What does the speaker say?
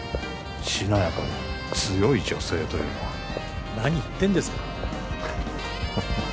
しなやかで強い女性というのは何言ってんですか